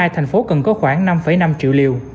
thành phố cần có khoảng năm năm triệu liều